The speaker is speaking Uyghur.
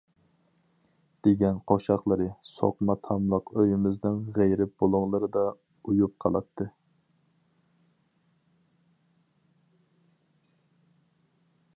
دېگەن قوشاقلىرى سوقما تاملىق ئۆيىمىزنىڭ غېرىب بۇلۇڭلىرىدا ئۇيۇپ قالاتتى.